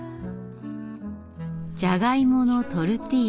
じゃがいものトルティージャ。